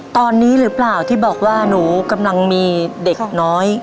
ตอนนี้หรือเปล่าที่บอกว่าหนูกำลังมีเด็กน้อย